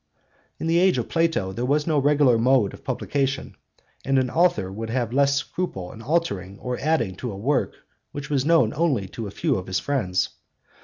In the age of Plato there was no regular mode of publication, and an author would have the less scruple in altering or adding to a work which was known only to a few of his friends.